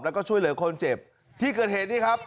แล้วก็ช่วยเหลือคนเจ็บที่เกิดเหตุนี่ครับ